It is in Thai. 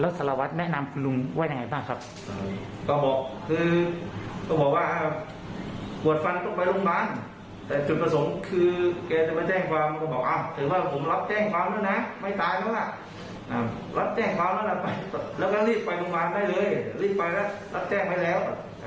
แล้วก็รีบไปโรงพยาบาลได้เลยรีบไปแล้วรับแจ้งไปแล้ว